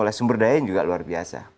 oleh sumber daya yang juga luar biasa